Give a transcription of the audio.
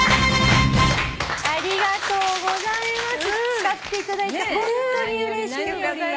使っていただいてホントにうれしゅうございます。